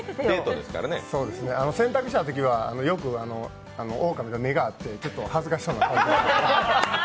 洗濯したときは、よくおおかみと目が合ってちょっと恥ずかしそうな感じで。